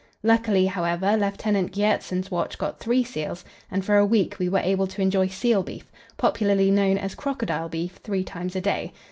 Luckily, however, Lieutenant Gjertsen's watch got three seals, and for a week we were able to enjoy seal beef, popularly known as "crocodile beef," three times a day.